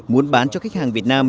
muốn bán cho khách hàng việt nam